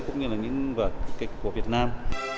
cũng như là những vở kịch của việt nam